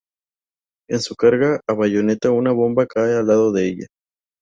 En su carga a bayoneta una bomba cae al lado de ella.